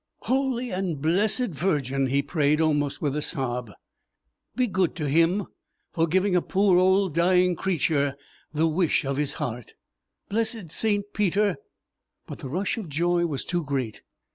"Holy and Blessed Virgin," he prayed, almost with a sob, "be good to him for giving a poor old dying creature the wish of his heart! Blessed St. Peter " But the rush of joy was too great.